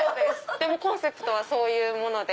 コンセプトはそういうもので。